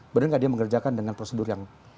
benar nggak dia mengerjakan dengan prosedur yang